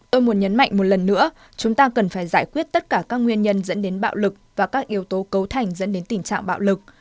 tôi muốn nhấn mạnh một lần nữa chúng ta cần phải giải quyết tất cả các nguyên nhân dẫn đến bạo lực và các yếu tố cấu thành dẫn đến tình trạng bạo lực